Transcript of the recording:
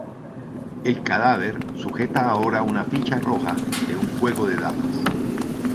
El cadáver sujeta ahora una ficha roja de un juego de damas.